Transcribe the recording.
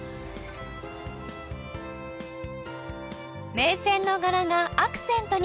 銘仙の柄がアクセントに